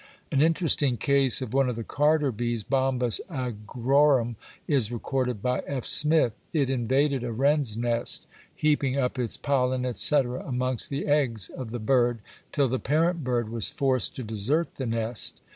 An interesting case of one of the carder bees (Bombus agrorum) is recorded by F. Smith. It invaded a wren's nest, heaping up its pollen, etc., amongst the eggs of the bird, till the parent bird was forced to desert the nest.